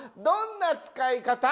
どんな使い方？」。